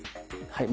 はい。